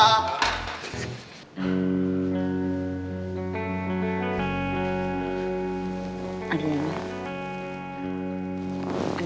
ada yang ya